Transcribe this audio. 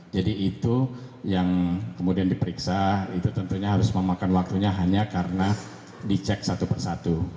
jadi itu yang kemudian diperiksa itu tentunya harus memakan waktunya hanya karena dicek satu persatu